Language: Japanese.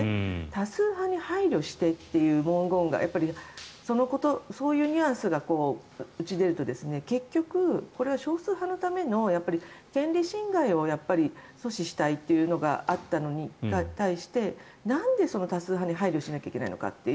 多数派に配慮してという文言がそういうニュアンスが出るとこれは少数派のための権利侵害を阻止したいというのがあったのに対してなんで多数派に配慮しないといけないのかと。